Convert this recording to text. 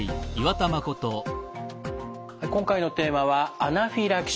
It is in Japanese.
今回のテーマは「アナフィラキシー」。